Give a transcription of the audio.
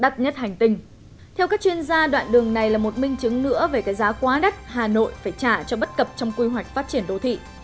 theo các chuyên gia đoạn đường này là một minh chứng nữa về cái giá quá đắt hà nội phải trả cho bất cập trong quy hoạch phát triển đô thị